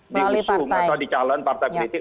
diusung atau dicalon partai politik